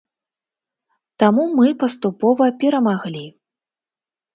Таму мы паступова перамаглі.